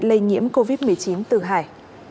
lây nhiễm covid một mươi chín từ hải